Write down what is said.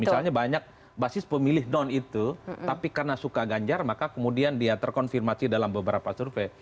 misalnya banyak basis pemilih non itu tapi karena suka ganjar maka kemudian dia terkonfirmasi dalam beberapa survei